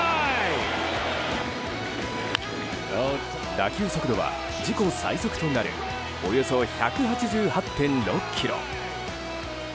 打球速度は自己最速となるおよそ１８８．６キロ。